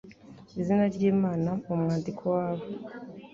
izina ry imana mu mwandiko wabo